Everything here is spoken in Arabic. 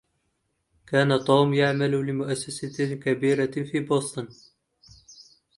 كان توم يعمل لمؤسسة كبيرة في بوسطن.